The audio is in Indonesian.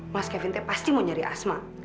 mas kevinte pasti mau nyari asma